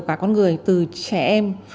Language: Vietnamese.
của cả con người từ trẻ em